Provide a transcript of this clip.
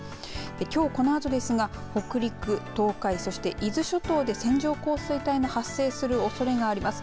きょうこのあとですが北陸、東海そして伊豆諸島で線状降水帯の発生するおそれがあります。